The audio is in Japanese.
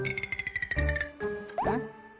うん？